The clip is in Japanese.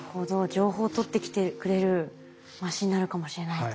情報を取ってきてくれるマシンになるかもしれないと。